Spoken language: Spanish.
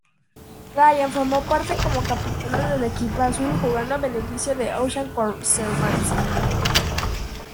Ryan formó parte como capitana del equipo azul jugando a beneficio de "Ocean Conservancy".